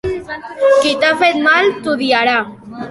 Qui t'ha fet mal t'odiarà.